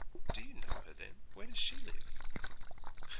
'Do you know her, then? Where does she live?'